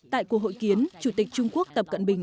tại cuộc hội kiến chủ tịch trung quốc tập cận bình